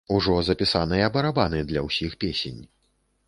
Ужо запісаныя барабаны для ўсіх песень.